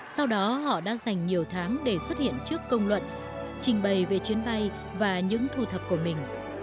sau đó họ đã dành nhiều tháng để xuất hiện trước công luận trình bày về chuyến bay và những thu thập của mình